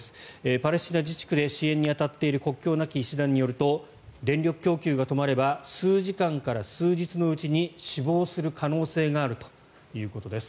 パレスチナ自治区で支援に当たっている国境なき医師団によると電力供給が止まれば数時間から数日のうちに死亡する可能性があるということです。